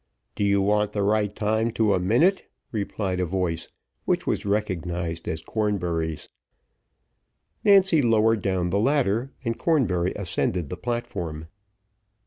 "Do you want the right time to a minute?" replied a voice, which was recognised as Cornbury's. Nancy lowered down the ladder, and Cornbury ascended the platform.